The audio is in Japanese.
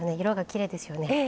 色がきれいですよね。